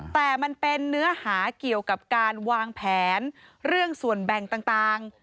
แต่มันเป็นเนื้อหาเกี่ยวกับการวางแผนเรื่องส่วนแบ่งต่าง